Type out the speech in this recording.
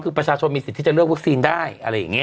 คือประชาชนมีสิทธิ์ที่จะเลือกวัคซีนได้อะไรอย่างนี้